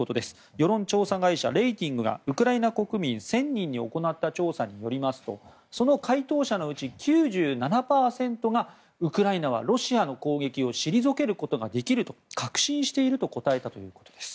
世論調査会社レイティングがウクライナ国民１０００人に行った調査によりますとその回答者のうち、９７％がウクライナはロシアの攻撃を退けることができると確信していると答えたということです。